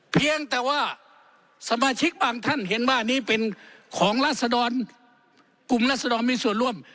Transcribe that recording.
เพียงแต่ว่าสมาชิกบางท่านเห็นว่านี้เป็นของราศดรกลุ่มรัศดรมีส่วนร่วม